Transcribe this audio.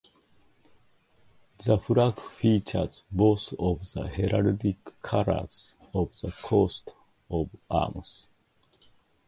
The Flag features both of the heraldic colours of the Coat of Arms.